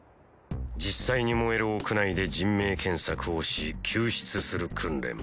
実際に燃える屋内で人命検索をし救出する訓練。